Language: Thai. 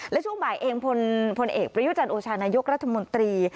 และช่วงบ่ายเองพลเอกประยุจันทร์โอชานายกรัฐมนตรี